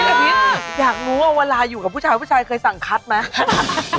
อยากรู้ว่าเวลาอยู่กับผู้ชายครั้งแรกครึ่งพี่ก็จะเป็นผู้ชายเคยสั่งคลัตป์แหละ